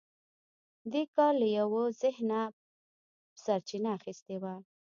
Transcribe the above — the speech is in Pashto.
دې کار له یوه ذهنه سرچینه اخیستې وه